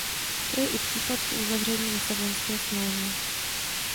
To je i případ po uzavření Lisabonské smlouvy.